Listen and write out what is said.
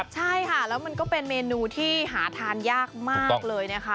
ใช่ค่ะแล้วมันก็เป็นเมนูที่หาทานยากมากเลยนะคะ